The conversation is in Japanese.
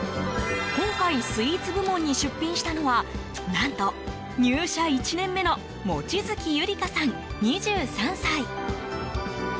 今回スイーツ部門に出品したのは何と入社１年目の望月友梨佳さん、２３歳。